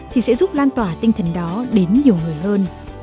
thì sẽ giúp lan tỏa tinh thần đó đến nhiều người hơn